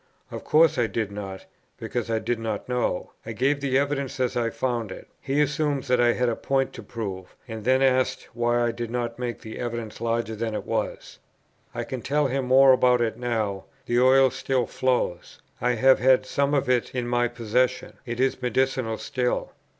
Of course I did not, because I did not know; I gave the evidence as I found it; he assumes that I had a point to prove, and then asks why I did not make the evidence larger than it was. I can tell him more about it now: the oil still flows; I have had some of it in my possession; it is medicinal still.